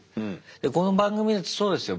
この番組だってそうですよ。